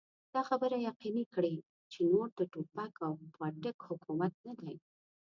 دا خبره يقيني کړي چې نور د ټوپک او پاټک حکومت نه دی.